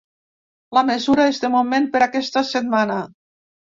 La mesura és, de moment, per aquesta setmana.